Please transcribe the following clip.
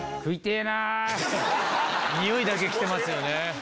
匂いだけ来てますよね。